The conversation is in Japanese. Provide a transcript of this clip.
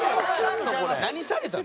何されたん？